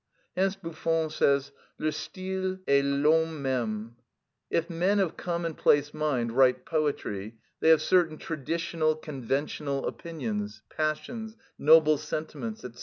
Hence Buffon says: "Le style est l'homme même." If men of commonplace mind write poetry they have certain traditional conventional opinions, passions, noble sentiments, &c.